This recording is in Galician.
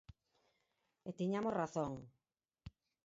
E tiñamos razón.